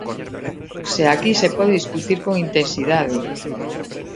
¡Se aquí se pode discutir con intensidade!